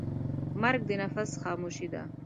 مرګ د نفس خاموشي ده.